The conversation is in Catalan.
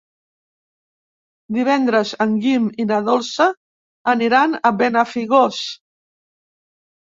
Divendres en Guim i na Dolça aniran a Benafigos.